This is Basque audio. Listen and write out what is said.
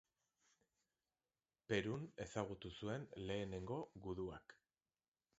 Perun ezagutu zuen lehenengo guduak.